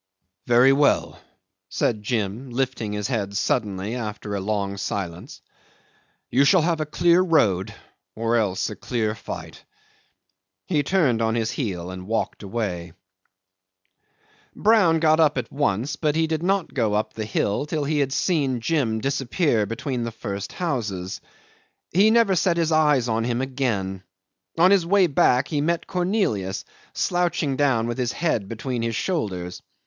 '"Very well," said Jim, lifting his head suddenly after a long silence. "You shall have a clear road or else a clear fight." He turned on his heel and walked away. 'Brown got up at once, but he did not go up the hill till he had seen Jim disappear between the first houses. He never set his eyes on him again. On his way back he met Cornelius slouching down with his head between his shoulders.